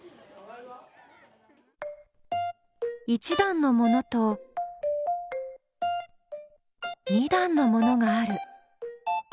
１段のものと２段のものがある。